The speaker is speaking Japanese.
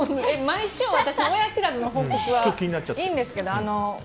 毎週私の親知らずの報告はいいんですけど。